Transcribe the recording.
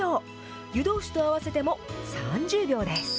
湯通しと合わせても３０秒です。